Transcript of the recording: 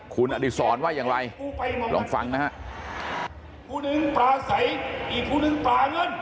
คุณอดีตสอนว่าอย่างไรลองฟังนะฮะ